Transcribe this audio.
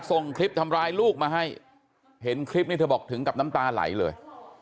ส่งคลิปทำร้ายลูกมาให้เห็นคลิปนี้เธอบอกถึงกับน้ำตาไหลเลย